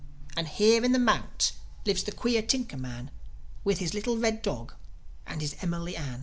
And here in the mount lives the queer tinker man With his little red dog and his Emily Arm.